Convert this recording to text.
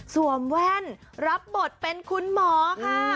แว่นรับบทเป็นคุณหมอค่ะ